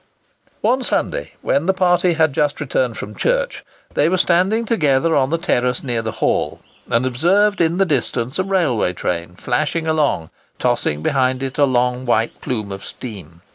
One Sunday, when the party had just returned from church, they were standing together on the terrace near the Hall, and observed in the distance a railway train flashing along, tossing behind its long white plume of steam.